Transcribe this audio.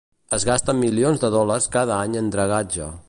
Es gasten milions de dòlars cada any en dragatge.